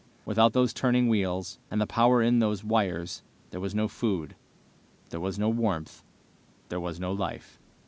Without those turning wheels, and the power in those wires there was no food, there was no warmth, there was no life.